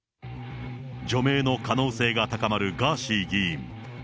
除名の可能性が高まるガーシー議員。